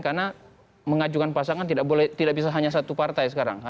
karena mengajukan pasangan tidak boleh tidak bisa hanya satu partai sekarang